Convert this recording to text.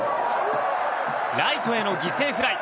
ライトへの犠牲フライ。